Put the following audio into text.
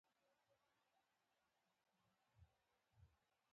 بيا ماما ګانو سره و.